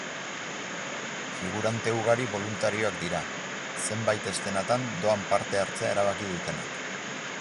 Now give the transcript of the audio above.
Figurante ugari boluntarioak dira, zenbait eszenatan doan parte hartzea erabaki dutenak.